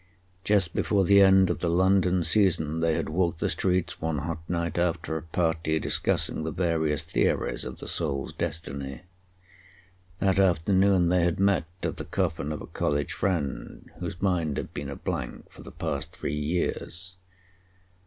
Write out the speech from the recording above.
Just before the end of the London season they had walked the streets one hot night after a party, discussing the various theories of the soul's destiny. That afternoon they had met at the coffin of a college friend whose mind had been a blank for the past three years.